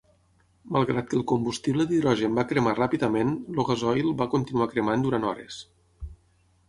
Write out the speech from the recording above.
Malgrat que el combustible d'hidrogen va cremar ràpidament el gasoil va continuar cremant durant hores.